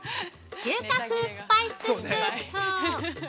中華風スパイススープ。